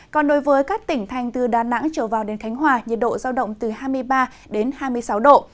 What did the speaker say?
còn đối với các tỉnh thành từ đà nẵng trở vào đến khánh hòa nhiệt độ giao động từ hai mươi ba đến hai mươi sáu độ